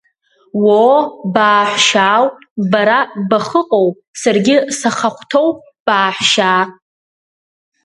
Уоо, бааҳәшьаау, бара бахыҟоуп саргьы сахахәҭоу, бааҳәшьаа!